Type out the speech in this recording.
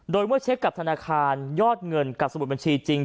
โดยเมื่อเช็คกับธนาคารยอดเงินกับสมุดบัญชีจริง